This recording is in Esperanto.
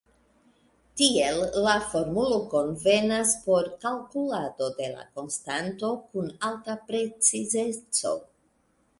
Tiel la formulo konvenas por kalkulado de la konstanto kun alta precizeco.